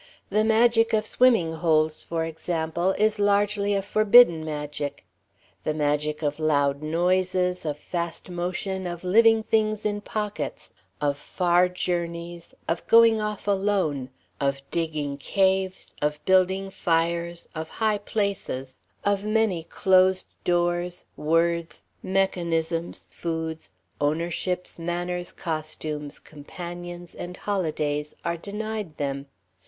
The magic of swimming holes, for example, is largely a forbidden magic; the magic of loud noises, of fast motion, of living things in pockets, of far journeys, of going off alone, of digging caves, of building fires, of high places, of many closed doors, words, mechanisms, foods, ownerships, manners, costumes, companions, and holidays are denied them.